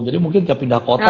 jadi mungkin kita pindah kota